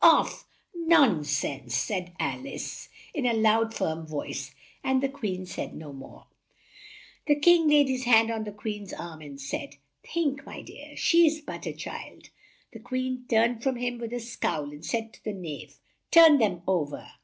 Off " "Non sense!" said Al ice, in a loud, firm voice, and the Queen said no more. The King laid his hand on the Queen's arm and said, "Think, my dear, she is but a child!" The Queen turned from him with a scowl and said to the Knave, "Turn them o ver!"